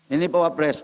ini pak wapres